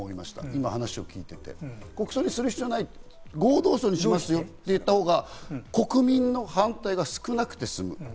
今話を聞いていて、国葬にする必要ない、合同葬にしますよと言ったほうが国民の反対が少なくて済む。